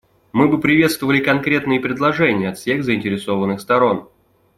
Мы бы приветствовали конкретные предложения от всех заинтересованных сторон.